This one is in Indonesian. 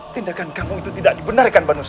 tindakan kamu itu tidak dibenarkan manusia